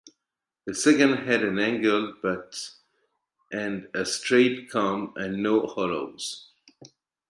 The second had an angled butt and a straight comb and no hollows.